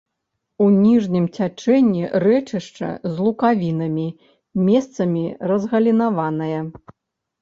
У ніжнім цячэнні рэчышча з лукавінамі, месцамі разгалінаванае.